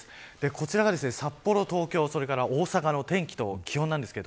こちらが札幌、東京それから大阪の天気と気温です。